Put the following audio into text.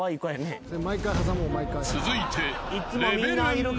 ［続いて］